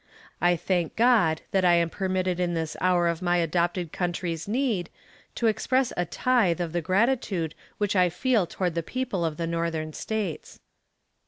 I thank God that I am permitted in this hour of my adopted country's need to express a tithe of the gratitude which I feel toward the people of the Northern States.